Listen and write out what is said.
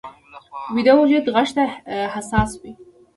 ویده وجود غږ ته حساس وي